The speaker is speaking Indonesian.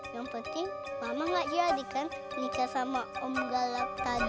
yang penting mama gak jadi kan nikah sama om galak tadi